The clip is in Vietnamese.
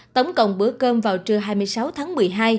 tổng cộng bữa cơm vào trưa hai mươi sáu tháng một mươi hai